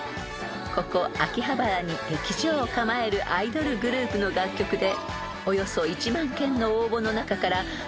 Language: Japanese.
［ここ秋葉原に劇場を構えるアイドルグループの楽曲で］